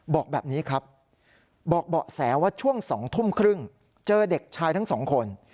บอกแบบนี้ครับบอกเบาะแสว่าช่วง๒ทุ่มครึ่งเจอเด็กชายทั้งสองคน